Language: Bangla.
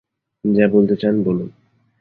যা বলতে চান বলুন।